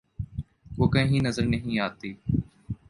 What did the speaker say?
وہ کہیں نظر نہیں آتی۔